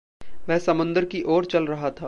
वह समुंदर की ओर चल रहा था।